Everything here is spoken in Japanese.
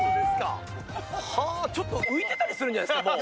はぁ、ちょっと浮いてたりするんじゃないですか、もう。